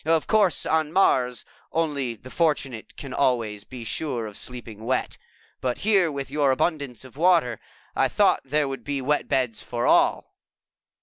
Of course, on Mars, only the fortunate can always be sure of sleeping wet, but here, with your abundance of water, I thought there would be wet beds for all."